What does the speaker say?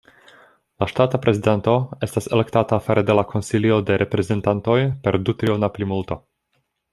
La ŝtata prezidanto estas elektata fare de la Konsilio de Reprezentantoj per du-triona plimulto.